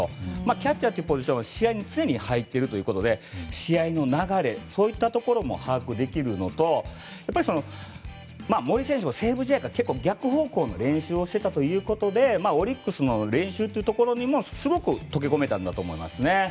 キャッチャーというポジションは試合に常に入っているということで試合の流れそういったところも把握できるのと森選手は西武時代から結構、逆方向の練習をしてたということでオリックスの練習にも、すごく溶け込めたんだと思います。